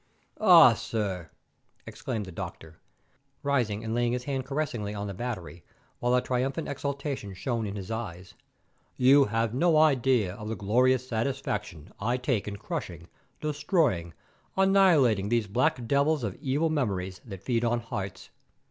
"Ah, sir," exclaimed the doctor, rising and laying his hand caressingly on the battery, while a triumphant exultation shone in his eyes, "you have no idea of the glorious satisfaction I take in crushing, destroying, annihilating these black devils of evil memories that feed on hearts.